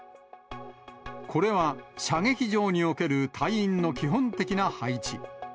これは、射撃場における隊員の基本的な配置。